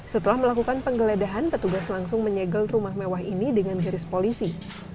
setelah melakukan penggeledahan petugas langsung menyegel rumah mewah ini dengan garis polisi